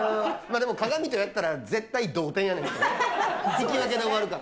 でも鏡とやったら、絶対同点やねんけど。